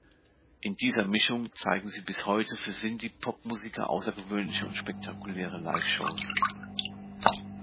In dieser Mischung zeigen sie bis heute für Synthie-Pop-Musiker außergewöhnliche und spektakuläre Live-Shows.